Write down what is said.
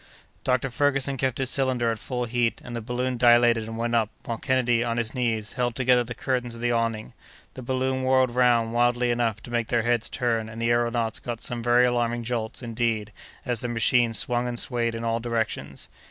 Dr. Ferguson kept his cylinder at full heat, and the balloon dilated and went up, while Kennedy, on his knees, held together the curtains of the awning. The balloon whirled round wildly enough to make their heads turn, and the aëronauts got some very alarming jolts, indeed, as their machine swung and swayed in all directions.